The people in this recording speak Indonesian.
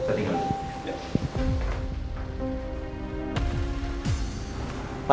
pak saya cari rekaman yang dulu pak